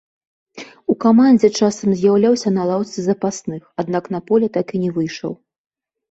У камандзе часам з'яўляўся на лаўцы запасных, аднак на поле так і не выйшаў.